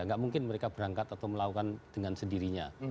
nggak mungkin mereka berangkat atau melakukan dengan sendirinya